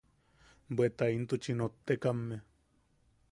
Bweta intuchi nottekame.